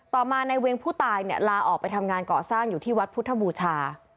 ต่อมาในเวียงผู้ตายเนี่ยลาออกไปทำงานเกาะสร้างอยู่ที่วัดพุทธบูชา